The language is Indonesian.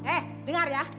eh dengar ya